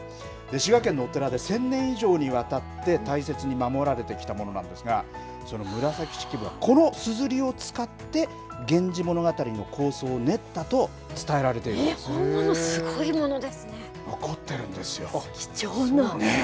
滋賀県のお寺で１０００年以上にわたって大切に守られてきたものなんですがその紫式部はこのすずりを使って源氏物語の構想を練ったとすごいものですね、貴重な。